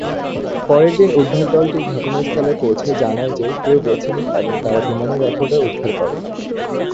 পরের দিন উদ্ধার দলটি ঘটনাস্থলে পৌঁছে জানায় যে কেউ বেঁচে নেই এবং তারা বিমানের রেকর্ডার উদ্ধার করে।